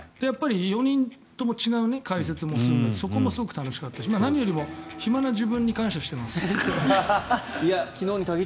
４人とも違う解説でそこも楽しかったし何よりも暇な自分に感謝しています。